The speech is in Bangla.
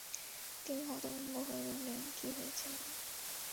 তিনি হতভম্ব হয়ে বললেন, কী হয়েছে মা?